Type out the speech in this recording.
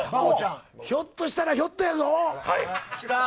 ひょっとしたらひょっとやぞ。